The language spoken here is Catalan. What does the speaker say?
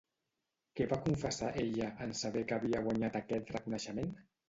Què va confessar ella, en saber que havia guanyat aquest reconeixement?